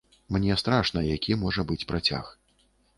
Мне страшна, які можа быць працяг.